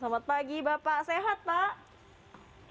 selamat pagi bapak sehat pak